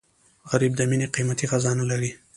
غریب د مینې قیمتي خزانه لري